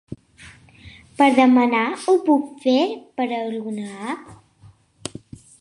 Per demanar ho puc fer per alguna app?